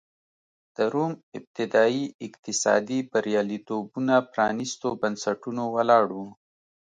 د روم ابتدايي اقتصادي بریالیتوبونه پرانېستو بنسټونو ولاړ و.